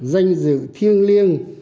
danh dự thiêng liêng